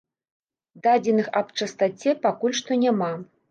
Дадзеных аб частаце пакуль што няма.